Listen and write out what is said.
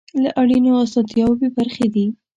له اړینو اسانتیاوو بې برخې دي.